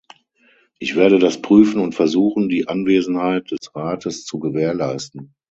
Ich werde das prüfen und versuchen, die Anwesenheit des Rates zu gewährleisten.